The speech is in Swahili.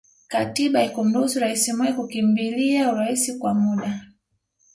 Katiba haikumruhusu Rais Moi kukimbilia urais kwa muda